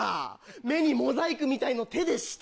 目にモザイクみたいの手でして。